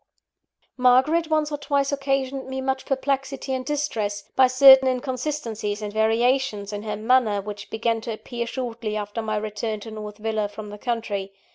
Margaret once or twice occasioned me much perplexity and distress, by certain inconsistencies and variations in her manner, which began to appear shortly after my return to North Villa from the country.